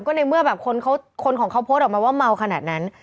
ในเมื่อแบบคนของเขาโพสต์ออกมาว่าเมาขนาดนั้น